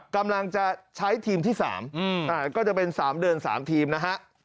กำลังจะใช้ทีมที่๓ก็จะเป็น๓เดือน๓ทีมนะฮะ